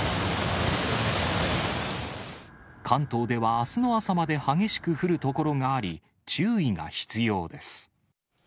関東ではあすの朝まで激しく降る所があり、注意が必要です。